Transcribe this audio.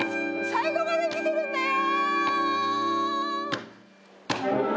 最後まで見てるんだよ！